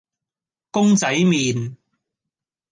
公仔麪